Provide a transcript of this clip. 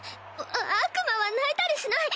あ悪魔は泣いたりしない！